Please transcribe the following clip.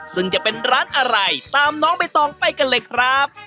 ซึ่งจะเป็นร้านอะไรตามน้องใบตองไปกันเลยครับ